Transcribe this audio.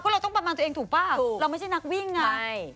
เราต้องประมาณตัวเองถูกป่ะเราไม่ใช่นักวิ่งอ่ะใช่